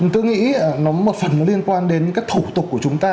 tôi nghĩ nó một phần nó liên quan đến các thủ tục của chúng ta